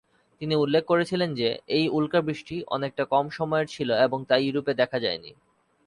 তিনি উল্লেখ করেছিলেন যে, এই উল্কা বৃষ্টি অনেকটা কম সময়ের ছিল এবং তা ইউরোপ এ দেখা যায়নি।